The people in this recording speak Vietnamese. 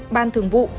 ban thường vụ